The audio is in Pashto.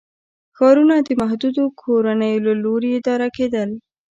ښارونه د محدودو کورنیو له لوري اداره کېدل.